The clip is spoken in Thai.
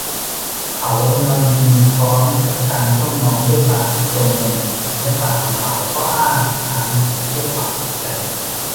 เขากำลังยืนอยู่พร้อมกับการจ้องมองด้วยดวงตาที่กลมมนและปากของเขาก็อ้าค้างด้วยความตกใจ